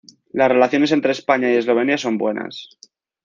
Las relaciones entre España y Eslovenia son buenas.